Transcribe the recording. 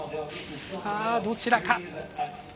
さあ、どちらか。